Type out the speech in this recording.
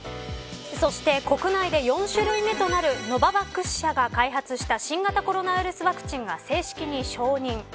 そして、国内で４種類目となるノババックス社が開発した新型コロナウイルスワクチンが正式に承認。